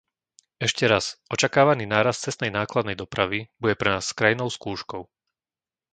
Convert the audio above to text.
Ešte raz, očakávaný nárast cestnej nákladnej dopravy bude pre nás krajnou skúškou.